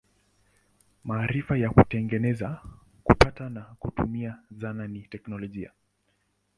Maarifa ya kutengeneza, kupata na kutumia zana ni teknolojia.